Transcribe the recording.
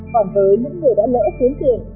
còn với những người đã lỡ xuống tiền